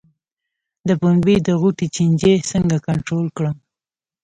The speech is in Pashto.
د پنبې د غوټې چینجی څنګه کنټرول کړم؟